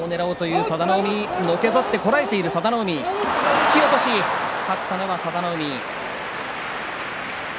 突き落とし勝ったのは佐田の海。